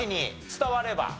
伝われば。